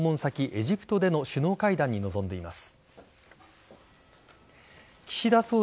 エジプトでの首脳会談に臨んでいます。